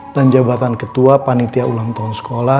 dan jabatan ketua panitia ulang tahun sekolah